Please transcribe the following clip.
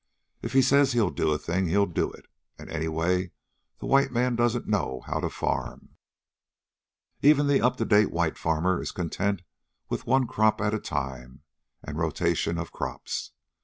If he says he'll do a thing, he'll do it. And, anyway, the white man doesn't know how to farm. Even the up to date white farmer is content with one crop at a time and rotation of crops.